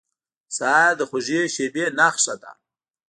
سهار د خوږې شېبې نښه ده.